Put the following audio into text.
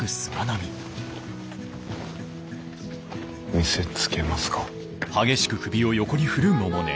見せつけますか？